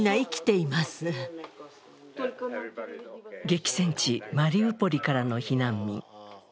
激戦地マリウポリからの避難民。